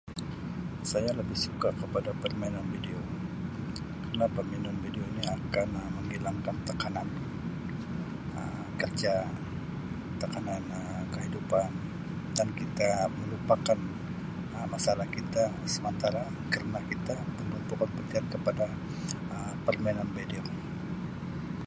Saya lebih suka kepada permainan video kerna permainan video ini akan [Um]menghilangkan tekanan Um kerja, tekanan Um kehidupan dan kita melupakan Um masalah kita sementara kerna kita menumpukan perhatian kepada Um permainan video.